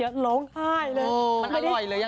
ร้อยเลยยังไง